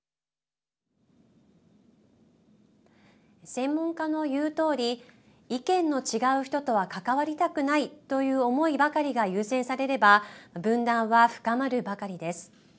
専門家の言うとおり意見の違う人とは関わりたくないという思いばかりが優先されれば分断は深まるばかりです。